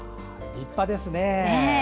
立派ですね。